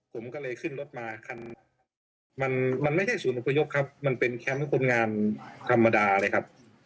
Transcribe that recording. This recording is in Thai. ผมก็เลยขึ้นรถมาคันมันมันไม่ใช่ศูนย์อพยพครับมันเป็นแคมป์คนงานธรรมดาเลยครับ